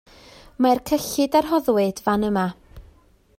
Mae'r cyllid a rhoddwyd fan yma